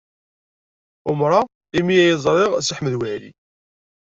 Umreɣ imi ay ẓriɣ Si Ḥmed Waɛli.